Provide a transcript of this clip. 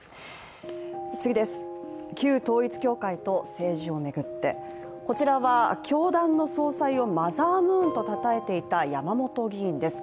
旧統一教会と政治を巡って、こちらは教団の総裁をマザームーンとたたえていた山本議員です。